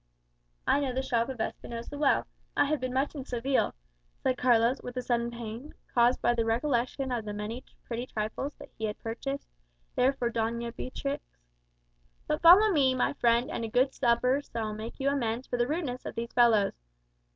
"I know the shop of Espinosa well. I have been much in Seville," said Carlos, with a sudden pang, caused by the recollection of the many pretty trifles that he had purchased there for Doña Beatrix. "But follow me, my friend, and a good supper shall make you amends for the rudeness of these fellows.